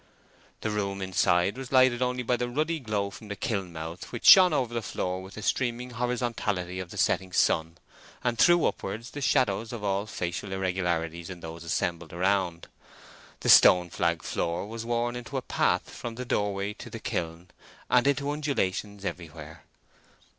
The room inside was lighted only by the ruddy glow from the kiln mouth, which shone over the floor with the streaming horizontality of the setting sun, and threw upwards the shadows of all facial irregularities in those assembled around. The stone flag floor was worn into a path from the doorway to the kiln, and into undulations everywhere.